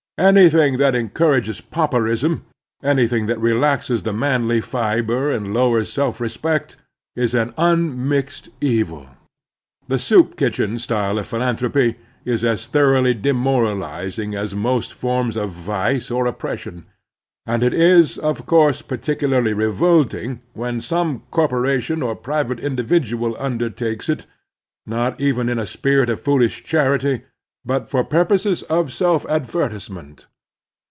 Anything that encourages pau perism, anything that relaxes the manly fiber and lowers self respect, is an unmixed evil. The soup kitchen style of philanthropy is as thoroughly demoralizing as most forms of vice or oppression, and it is of course particularly revolting when some corporation or private individual tmder takes it, not even in a spirit of foolish charity, but for purposes of self advertisement.